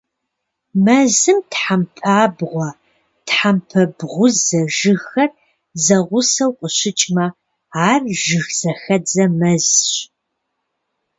Мэзым тхьэмпабгъуэ, тхьэмпэ бгъузэ жыгхэр зэгъусэу къыщыкӀмэ, ар жыгзэхэдзэ мэзщ.